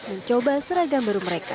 mencoba seragam baru mereka